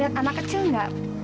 lihat anak kecil nggak